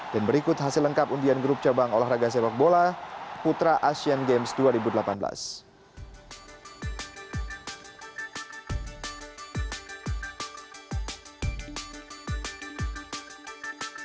dan berikut hasil lengkap undian grup cabang olahraga sepak bola putra asian games dua ribu delapan belas